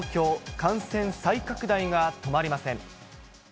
感染再拡大が止まりません。